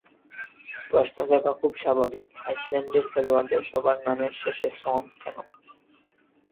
প্রশ্ন জাগা খুব স্বাভাবিক, আইসল্যান্ডের খেলোয়াড়দের সবার নামের শেষে সন কেন?